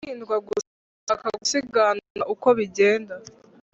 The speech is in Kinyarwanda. ibirinda indwara. gusa ndashaka gusiganuza uko bigenda.